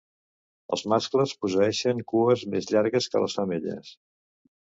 Els mascles posseeixen cues més llargues que les femelles.